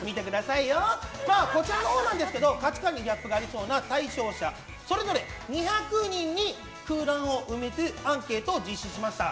こちらのほうなんですが価値観にギャップがありそうな対象者それぞれ２００人に空欄を埋めるアンケートを実施しました。